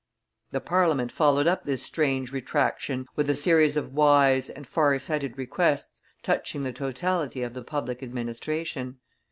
The Parliament followed up this strange retractation with a series of wise and far sighted requests touching the totality of the public administration.